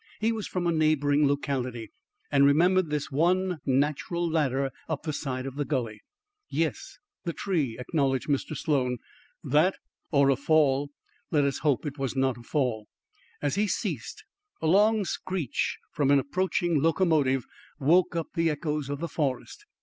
He was from a neighbouring locality and remembered this one natural ladder up the side of the gully. "Yes, the tree," acknowledged Mr. Sloan. "That, or a fall. Let us hope it was not a fall." As he ceased, a long screech from an approaching locomotive woke up the echoes of the forest.